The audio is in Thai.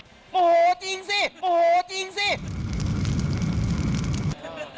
โอ้โหจริงสิโอ้โหจริงสิ